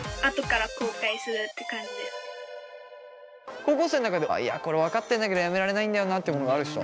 高校生の中でいやこれ分かってんだけどやめられないんだよなってものがある人？